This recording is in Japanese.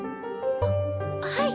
あっはい。